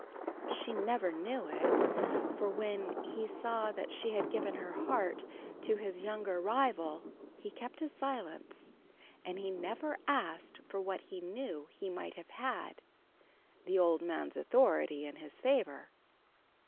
She never knew it, for when he saw that she had given her heart to his younger rival, he kept silence, and he never asked for what he knew he might have had the old man's authority in his favor.